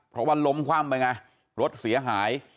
เพราะว่าล้มคว่ำไปไงรถเสียหาย